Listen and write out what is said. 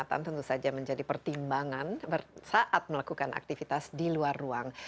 tentu saja menjadi pertimbangan saat melakukan aktivitas di luar ruang